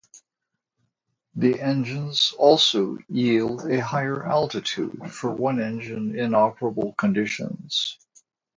The engines also yield a higher altitude for one-engine-inoperable conditions.